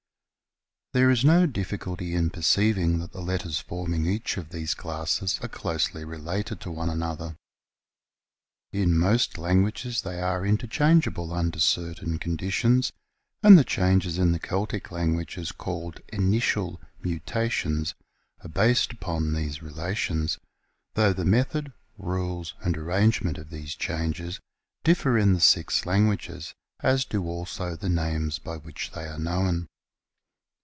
There is no difficulty in perceiving that the letters forming each of these classes are closely related to one another ; in most languages they are interchange able under certain conditions, and the changes in the Celtic languages called initial mutations are based upon these relations, though the method, rules, and arrangement of these changes differ in the six lan guages, as do also the names by which they are known.